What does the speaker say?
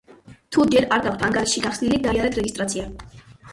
თუ ჯერ არ გაქვთ ანგარიში გახსნილი, გაიარეთ რეგისტრაცია.